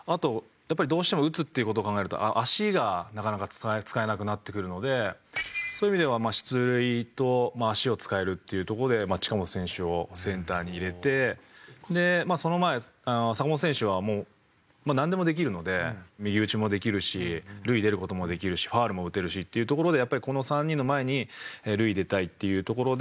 やっぱりどうしても打つっていう事を考えると足がなかなか使えなくなってくるのでそういう意味では出塁と足を使えるっていうとこで近本選手をセンターに入れてその前坂本選手はなんでもできるので右打ちもできるし塁出る事もできるしファウルも打てるしっていうところでやっぱりこの３人の前に塁出たいっていうところで。